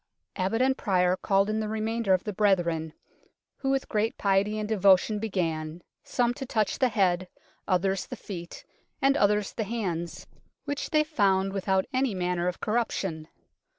Abbot and Prior called in the remainder of the brethren, who with great piety and devotion began, some to touch the head, others the feet, 46 UNKNOWN LONDON and others the hands, which they found without any manner of corruption.